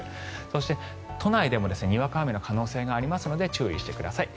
そして、都内でもにわか雨の可能性があるので注意してください。